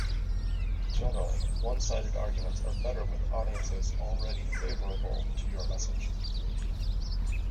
Generally, one-sided arguments are better with audiences already favorable to your message.